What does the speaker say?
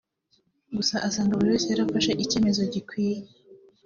gusa asanga buri wese yarafashe icyemezo gikwiye